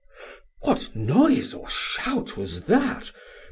What noise or shout was that?